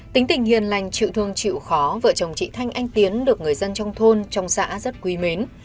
tính tình hiền lành chịu thương chịu khó vợ chồng chị thanh anh tiến được người dân trong thôn trong xã rất quý mến